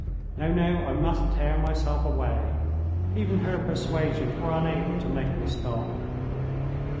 No, no, I must tear myself away even her persuasions were unable to make me stop.